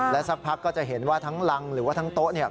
สักพักก็จะเห็นว่าทั้งรังหรือว่าทั้งโต๊ะเนี่ย